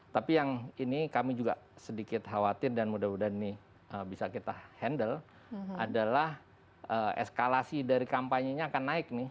tapi yang ini kami juga sedikit khawatir dan mudah mudahan ini bisa kita handle adalah eskalasi dari kampanye nya akan naik nih